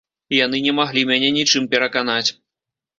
Яны не маглі мяне нічым пераканаць.